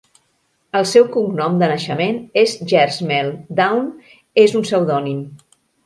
El seu cognom de naixement és Gersmehl; Dawn és un pseudònim.